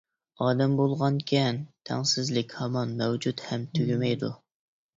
ئادەم بولغانىكەن، تەڭسىزلىك ھامان مەۋجۇت ھەم تۈگىمەيدۇ.